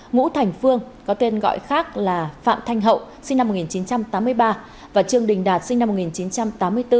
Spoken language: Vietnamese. ngũ thành phương có tên gọi khác là phạm thanh hậu sinh năm một nghìn chín trăm tám mươi ba và trương đình đạt sinh năm một nghìn chín trăm tám mươi bốn